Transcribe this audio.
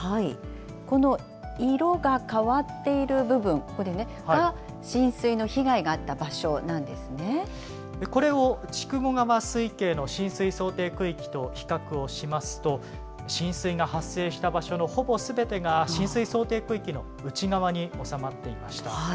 この色が変わっている部分、これが浸水の被害があった場所なこれを筑後川水系の浸水想定区域と比較をしますと、浸水が発生した場所のほぼすべてが浸水想定区域の内側に収まっていました。